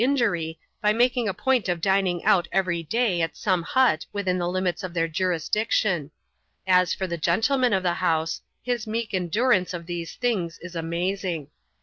] THE KAKKAKIPPERa 179 injury, by making a point of dining out every day at some hut within the limits of their jurisdiction. As for the gentleman of the house, his meek endurance of these things is amazing.